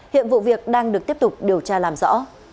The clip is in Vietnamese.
hiện vụ việc đang được tiếp tục điều tra làm rõ